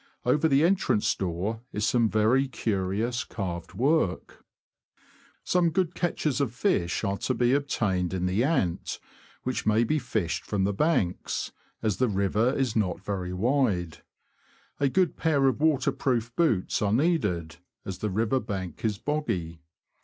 over the entrance door is some very curious carved work. Stained glass Quarries— Irstead Church. Some good catches of fish are to be obtained in the Ant, which may be fished from the banks, as the river is not very wide. A good pair of water proof boots are needed, as the river bank is boggy.